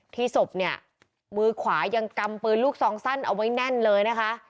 ศพเนี่ยมือขวายังกำปืนลูกซองสั้นเอาไว้แน่นเลยนะคะ